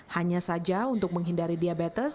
hanya saja untuk menghindari diabetes